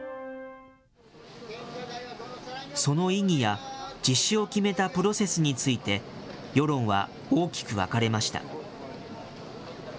その意義や、実施を決めたプロセスについて、世論は大きく分かれました。